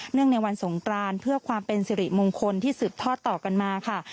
ในวันสงกรานเพื่อความเป็นสิริมงคลที่สืบทอดต่อกันมาค่ะ